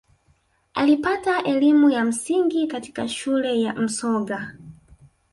alipata elimu ya msingi katika shule ya msoga